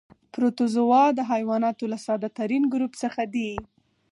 پروتوزوا د حیواناتو له ساده ترین ګروپ څخه دي.